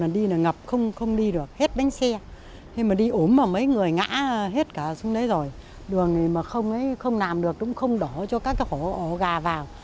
đúng mà mấy người ngã hết cả xuống đấy rồi đường mà không làm được cũng không đổ cho các hổ gà vào